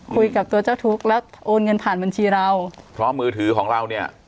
คุยกับตัวเจ้าทุกข์แล้วโอนเงินผ่านบัญชีเราเพราะมือถือของเราเนี่ย